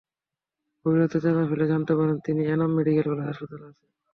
গভীর রাতে চেতনা ফিরলে জানতে পারেন, তিনি এনাম মেডিকেল কলেজ হাসপাতালে আছেন।